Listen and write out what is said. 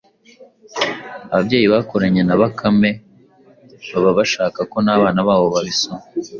Ababyeyi bakuranye na Bakame baba bashaka ko n’abana babo babisoma."